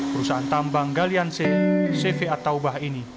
perusahaan tambang galihan c cva taubah ini